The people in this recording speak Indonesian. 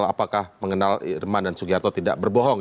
apakah mengenal irman dan sugiharto tidak berbohong